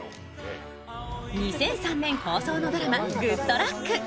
２００３年放送のドラマ「ＧｏｏｄＬｕｃｋ」。